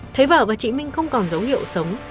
thấy vợ và chị minh không còn dấu hiệu sống